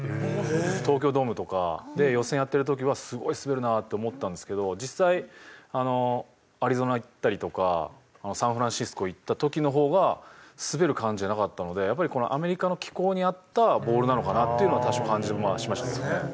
東京ドームとかで予選やってる時はすごい滑るなって思ったんですけど実際アリゾナ行ったりとかサンフランシスコ行った時の方が滑る感じじゃなかったのでやっぱりアメリカの気候に合ったボールなのかなっていうのは多少感じはしましたけどね。